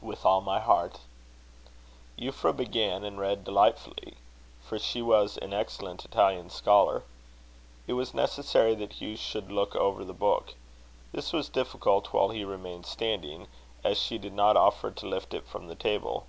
"With all my heart." Euphra began, and read delightfully; for she was an excellent Italian scholar. It was necessary that Hugh should look over the book. This was difficult while he remained standing, as she did not offer to lift it from the table.